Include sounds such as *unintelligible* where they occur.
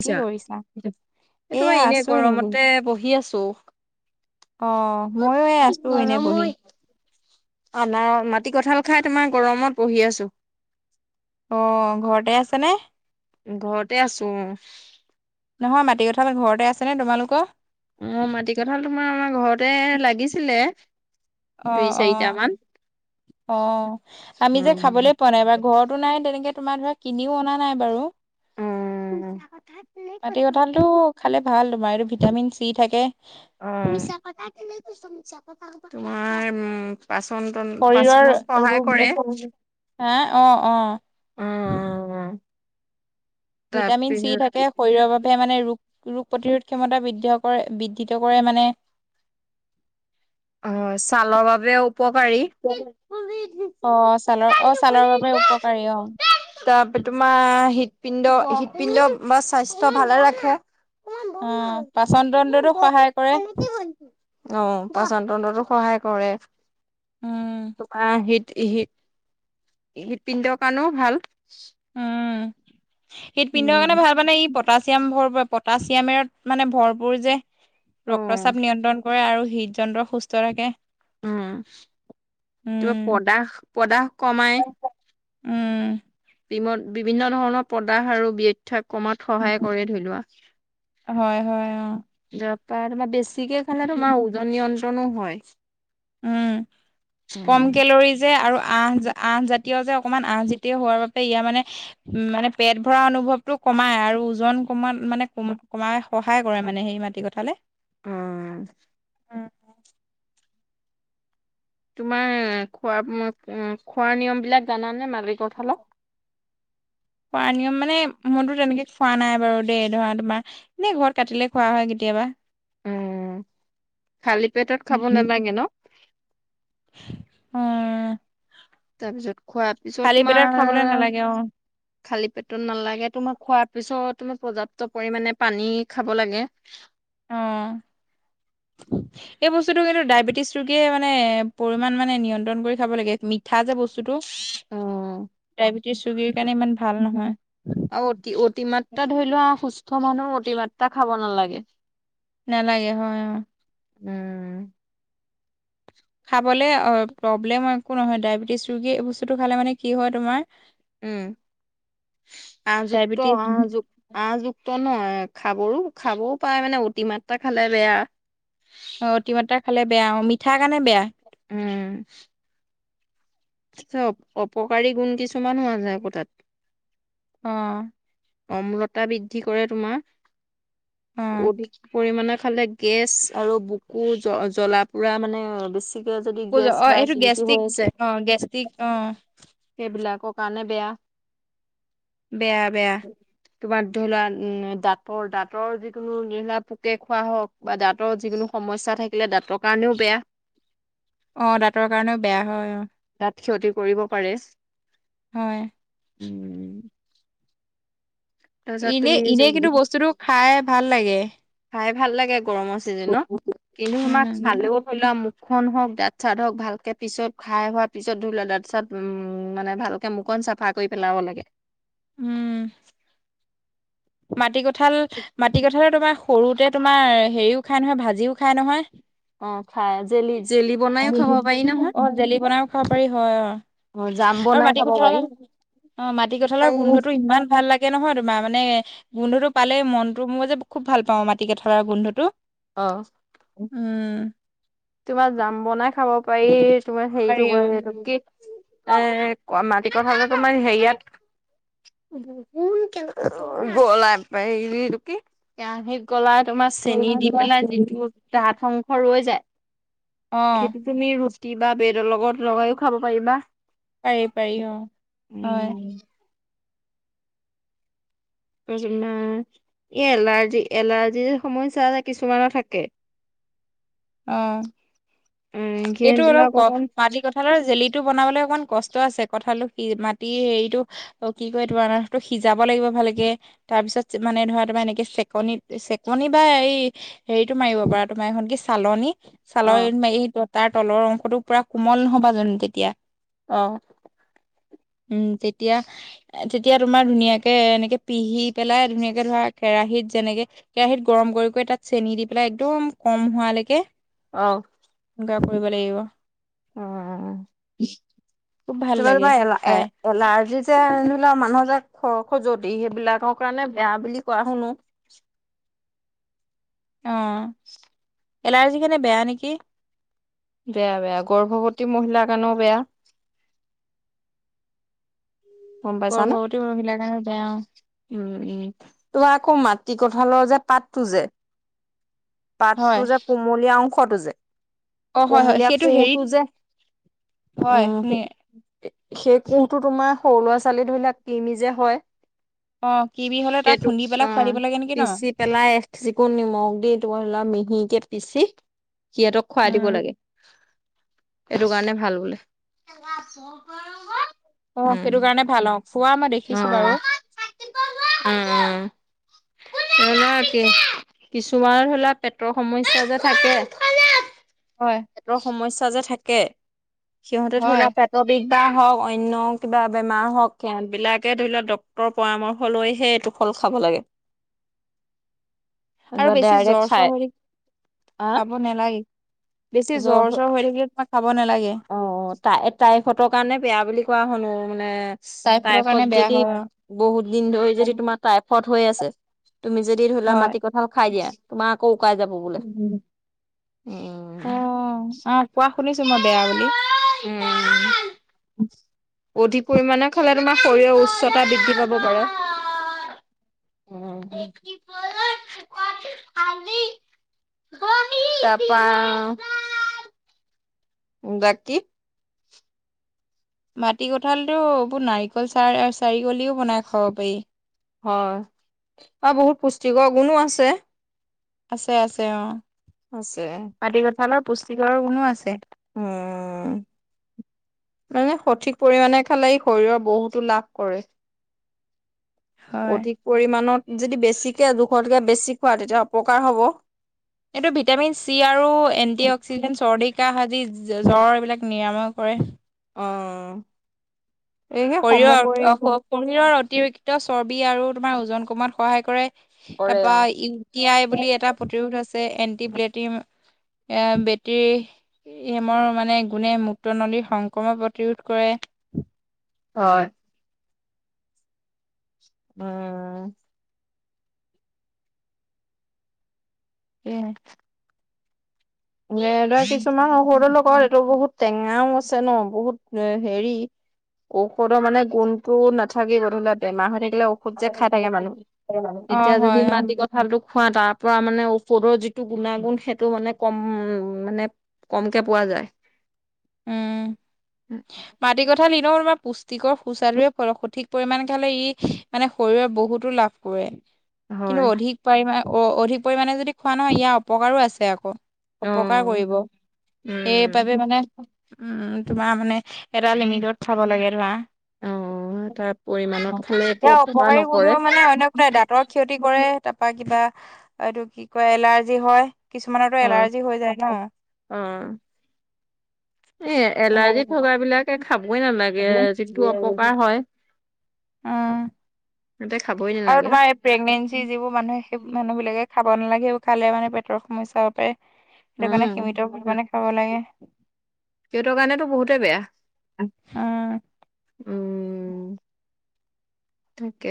কি কৰিছা? এই এয়া তোমাৰ আছো এনেই বহি। গৰমতে বহি আছোঁ। অহ, মইয়ো এ আছো এনেই বহি। আমাৰ মাটি কঁঠাল খাই তোমাৰ গৰমত বহি আছোঁ। অহ, ঘৰতে আছে নে। ঘৰতে আছো উম। নহয় মাটি কঁঠাল ঘৰতে আছেনে তোমালোকৰ। অহ, মাটি কঁঠাল তোমাৰ আমাৰ ঘৰতে লাগিছিলে। দুই চাৰিটা অহ, মান অহ, অহ। আমি অ যে খাবলে পোৱা নাই ঘৰতো নাই তেনেকে তোমাৰ ধৰা কিনিও অনা নাই বাৰু। মাটি কঁঠালটো খালে ভাল তোমাৰ এইটো ভিটামিন চি থাকে। মিছা কথা মিছা কথা ক'ব তোমাৰ। পাচনতন শৰীৰৰ পাচনত ৰোগ সহায় কৰে। হা, অহ, অহ। উম। ভিটামিন চি থাকে। শৰীৰৰ বাবে মানে ৰোগ ৰোগ প্ৰতিৰোধ ক্ষমতা বৃদ্ধি কৰে বৃদ্ধিত কৰে মানে। অহ', ছালৰ বাবে উপকাৰী। অ', ছালৰ অ' ছালৰ বাবে উপকাৰী অহ। তাৰপৰি তোমাৰ হৃদপিণ্ড- হৃদপিণ্ড বা স্বাস্থ্য ভালে ৰাখে। অহ', পাচন তন্ত্ৰৰতো সহায় কৰে। অ', পাচন তন্ত্ৰতো সহায় কৰে। উম, তোমাৰ হিত- হিত হৃদপিণ্ডৰ কাৰণেও ভাল। উম', হৃদপিণ্ডৰ কাৰণে ভাল মানে ই' পটাছিয়াম ভৰপ পটাছিয়ামেৰত মানে ভৰপুৰ যে, অ ৰক্তচাপ নিয়ন্ত্ৰণ কৰে আৰু হৃদ যন্ত্ৰ সুস্থ থাকে। উম', তো পদাস- পদাস কমাই। উম',। বি- বিভিন্ন ধৰণৰ পদাস আৰু থাত কামাত সহায় কৰে ধৰি লোৱা। হয়, হয়, অ'। তাৰ পৰা তোমাৰ বেছিকে খালে তোমাৰ ওজন নিয়ন্ত্ৰণো হয়। উম', কম কেলৰিচ যে আৰু আহ- আহজাতীয় যে অকমান আহজাতীয় হোৱাৰ বাবে ইয়াৰ মানে উম', মানে পেট ভৰা অনুভৱটো কমাই আৰু ওজন কমাত মানে কম- কমাই সহায় কৰে মানে হেৰি মাটি কথালে। উম',। তোমাৰ খোৱা- খোৱাৰ নিয়ম বিলাক জানানে মালি কঁঠালৰ? খোৱা নিয়ম মানে মনতো তেনেকে খোৱা নাই বাৰু দেই, ধৰা তোমাৰ এনে ঘৰত কাটিলে খোৱা হয় কেতিয়াবা। উম খালী পেটত খাব নালাগে ন'? উম',। তাৰপিছত খোৱাৰ পিছত পেটত খাবলৈ তোমাৰ নালাগে অ খালি পেটত নালাগে, তোমাৰ খোৱাৰ পিছত তুমি পৰ্যাপ্ত পৰিমানে পানী খাব লাগে। অ',। এই বস্তুটো কিন্তু ডায়েবেটিছ ৰোগীয়ে মানে পৰিমাণ মানে নিয়ন্ত্ৰণ কৰি খাব লাগে, মিঠা যে বস্তুটো। অ ডায়বেটিছ ৰোগীৰ কাৰণে ইমান ভাল নহয়। আৰু অতি অতিমাত্ৰা ধৰি লোৱা সুস্থ মানুহ অতিমাত্ৰা খাব নালাগে। নালাগে হয়', হয়',। উম',। খাবলে প্ৰব্লেম একো নহয়, ডায়েবেটিছ ৰোগী এই বস্তুটো খালে মানে কি হয় তোমাৰ উম', আহযুক্ত ডায়েবেটিছ আহযু আহযুক্ত নহ খাবও- খাবও পায় মানে অতি মাত্ৰা খালে বেয়া। অ', অতি মাত্ৰা খালে বেয়া, অ' মিঠা কাৰণে বেয়া। উম',। অপকাৰী গুণ কিছুমান হোৱা যায় আকৌ তাত। অ',। অম্লতা বৃদ্ধি কৰে তোমাৰ, অ অধিক পৰিমানে খালে গেছ আৰু বুকু জ- জ্বলা পোৰা মানে বেছি এতিয়া যদি বুজ গেছ অ বা এইটো এচিদিতি গেষ্ট্ৰিক হৈ আছে অ গেষ্ট্ৰিক অ সেইবিলাকৰ কাৰণে বেয়া। বেয়া বেয়া। *inaudible* কিবাৰ ধৰি লোৱা দাঁতৰ দাঁতৰ যিকোনো ধৰি লোৱা পোকে খোৱা হওঁক বা দাঁতৰ যিকোনো সমস্যা থাকিলে দাঁতৰ কাৰণেও বেয়া। অ দাঁতৰ কাৰণেও বেয়া হয় অ। তাত ক্ষতি কৰিব পাৰে। হয়। উম তাৰপিছত এনেই তুমি নিজে এনেই কিন্তু বস্তুটো খাই ভাল লাগে। খাই ভাল লাগে গৰমৰ ছিজনত কিন্তু তোমাক উম খালেও ধই লোৱা মুখখন হওঁক, দাঁত-চাত হওঁক, ভালকে পিছত খাই হোৱাৰ পিছত ধৰি লোৱা দাঁত-চাত উম মানে ভালকে মুখন চাফা কৰি পেলাব লাগে। উম মাটিকঁঠাল মাটিকঁঠাল তোমাৰ সৰুতে তোমাৰ হেৰিও খাই নহয় ভাজিও খাই নহয়। অ খাই জেলি জেলি বনাইও খাব পাৰি *unintelligible* নহয়। অ জেলি বনাইও খাব পাৰি হয় অ। অ জাম আৰু বনাই খাব মাটিকঁঠাল পাৰি। অ মাটিকঁঠালৰ গোন্ধটো ইমান ভাল লাগে তাকে নহয় তোমাৰ মানে গোন্ধটো পালেই মনটো মোৰ যে খুব ভাল পাওঁ মাটিকঁঠালৰ গোন্ধটো। অ। উম। তোমাৰ জাম বনাই খাব পাৰি, তোমাৰ পাৰি অ হেৰিটো কি এ ক মাটিকঁঠালতো তোমাৰ হেৰিয়াত *unintelligible* কেৰাহীত গলাই তোমাৰ চেনি দি পেলাই যিটো দঠ অংশ ৰৈ যায় অ সেইটো তুমি ৰুটি বা বেডৰ লগত লগাইও খাব পাৰিবা। পাৰি পাৰি অ হয়। এই *unintelligible* এই এলাৰ্জি এলাৰ্জিৰ সমস্যা যে কিছুমানৰ থাকে অ উম সিহঁত এইটো অলপ বিলাক ক অকণ মাটিকঁঠাল কঁঠালৰ জেলিটো বনাবলৈ অকণমান কষ্ট আছে, কঁঠালো কি মাটি হেৰিটো অ কি কয় তোমাৰ তটো সিজাব লাগিব ভালকে, তাৰ পিছত মানে ধৰা তোমাৰ এনেকে চেকনিত চেকনি বা এই হেৰিতটো মাৰিব পাৰ তোমাৰ এখন কি চালনী অ চালনী মাৰি তাৰ তলৰ অংশতটো পুৰা কোমল নহবা জানো তেতিয়া। অ। উম তেতিয়া তেতিয়া তোমাৰ ধুনীয়াকৈ এনেকৈ পিহি পেলাই ধুনীয়াকৈ ধৰা কেৰাহীত যেনেকৈ কেৰাহিত গৰম কৰি কৰি তাত চেনি দি পেলাই একদম কম হোৱালৈকে অ। এনেকা কৰিব লাগিব। অ খুব ভাল লাগে এ খাই। এলাৰ্জি যে ধৰি লো মানুহৰ যে খ-খজুৱতি সেইবিলাকৰ কাৰণে বেয়া বুলি কোৱা শুনো। অ এলাৰ্জি কাৰনে বেয়া নেকি? বেয়া বেয়া গৰ্ভৱতী মহিলাৰ কাৰণেও বেয়া। গম পাইছানে? গৰ্ভৱতী মহিলাৰ কাৰণে বেয়া অ। উম উম তো আকৌ মাটিকঁঠালৰ যে পাতটো যে পাতটো হয় যে কুমলীয়া অংশটো যে অ হয় হয় কোমলীয়া সেইটো কোহটো হেৰিত যে, হয় উম, শুনি সে সেই কোহটো তোমাৰ সৰু ল'ৰা ছোৱালীবিলাক কিৰমি যে হয়। অ' কিৰমি হ'লে তাক সেইটোক খুন্দি পেলাই খুৱাই অ' দিব লাগে নেকি ন'। পিচি পেলাই এক চিকুণ নিমখ ধৰি লোৱা মিহিকে পিচি সিহঁতক খুৱাই দিব উম লাগে, এইটো কাৰণে ভাল বোলে। অ' সেইটো কাৰণে ভাল অ'। খোৱা মই দেখিছো বাৰু অ', অ', *inaudible* কিছুমানত ধৰি লোৱা পেটৰ সমস্যা যে থাকে। হয়। পেটৰ সমস্যা যে থাকে, সিহঁতে ধৰি হয় লোৱা পেট *unintelligible* হওঁক অন্য কিবা বেমাৰ হওঁক। সেহত বিলাকে ধৰি লওঁক ডক্তৰৰ পৰামৰ্শ লৈহে এইটো ফল খাব লাগে। আৰু বেছি ডাইৰেক্ট জ্বৰ খাই চৰ আহ *unintelligible* নালাগে, বেছি জ্বৰ চৰ হৈ থাকিলে তোমাক খাব নালাগে। অ' তাই তাই পেটৰ কাৰণে বেয়া বুলি কোৱা শুনো মানে টাইফডৰ কাৰণে টাইফড বেয়া যদি, হয় বহুত দিন ধৰি যদি অ'। তোমাৰ টাইফড হৈ আছে তুমি যদি ধৰি লোৱা হয় মাটি কঁঠাল খাই দিয়া তোমাৰ আকৌ উকাই যাব বোলে। উম। অ' চা কোৱা শুনিছোঁ মই বেয়া বুলি। উম অধিক পৰিমানে খালে তোমাৰ শৰীৰৰ উচ্চতা বৃদ্ধি পাব পাৰে। অ'। তাৰ পৰা উম, বাকী মাটি কঁঠাল দিয়ো এইবোৰ নাৰিকল চাৰ- চাৰিকল দিওঁ বনাই খাব পাৰি। হয়, অ' বহুত পুষ্টিকৰ গুণো আছে। আছে আছে অ'। আছে। মাটি কঁঠালৰ পুষ্টিকৰৰ গুণো আছে। উম। মানে সঠিক পৰিমাণে খালে ই শৰীৰৰ বহুতো লাভ কৰে। হয়। অধিক পৰিমানত যদি বেছিকে জোখতকে বেছি খোৱা তেতিয়া অপকাৰ হ'ব। এইটো ভিটামিন চি আৰু এণ্টি অক্সিডেণ্ট চৰ্দি, কাহ আদি জ্বৰ এইবিলাক নিৰাময় কৰে। অ'। শৰীৰৰ *unintelligible* শৰীৰৰ অতিৰিক্ত চৰ্বি আৰু তোমাৰ ওজন কমৱাত সহায় কৰে। কৰে তাৰপৰা আৰু। ইউ টি আই বুলি এটা প্ৰতিৰোধ আছে এন টি ব্লেটি এ, বেতেৰী এই মৰ মানে গুণে মুত্ৰ নলিৰ সংক্ৰমন প্ৰতিৰোধ কৰে। হয়। উম। উম। এ, ধৰা কিছুমান সৰুৰ লগৰ এইটো বহুত টেঙাও আছে ন' বহুত এ, হেৰি। ঔষধৰ মানে গুণটো নাথাকি ধৰি লোৱা তেমাহ হৈ থাকিলে খুদ যে খাই থাকে মানুহ, অ এতিয়া যদি হয় অ ইমান দিগত ভালোটো খোৱা তাৰ পৰা মানে ঔষধৰ যিটো গুণাগুণ সেইটো মানে কম মানে কমকে পোৱা যায়। উম। মাটি কঠাল নিলওঁ, তোমাৰ পুষ্টিকৰ সুস্বাৰুৱে সঠিক পৰিমাণে খালে, ই মানে শৰীৰৰ বহুতো লাভ কিন্তু হয়। অধিক পৰিামানে অ, অধিক পৰিমাণে যদি খোৱা নহয়, ইয়াৰ অপকাৰো আছে আকৌ। অপকাৰ অ'। কৰিব, এই উম। পাবে মানে উম, তোমাৰ মানে, এটা লিমিটত খাব লাগে ধৰা। অ', তাৰ পৰিমাণত খালে একো এয়া অপকাৰ অপকাৰী নকৰে। গুণবোৰ মানে, অন্য একো নাই দাঁতৰ ক্ষতি ক্ষতি কৰে, তাৰপা কিবা এইটো কি কয়, এলাৰ্জি হয়। কিছুমানৰতো হয়, এলাৰ্জি হৈ যায়, ন। অ, ইয়ে এলাৰ্জি থকা বিলাকে খাবই নালাগে, যিটো অপকাৰ হয়। উম, সিহঁতে খাবই আৰু নালাগে। তোমাৰ এই প্ৰেগনেঞ্চি যিবোৰ মানুহে, সেই মানুহ বিলাকে খাব নালাগে এইবোৰ খালে মানে, পেটৰ সমস্যা হ'ব পাৰে, সেইটো কাৰণে উম, সীমিত পৰিমাণে খাব লাগে। সিহঁতৰ কাৰণেতো বহুতে বেয়া। উম, উম, তাকে।